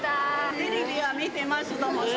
テレビは見てますともさ。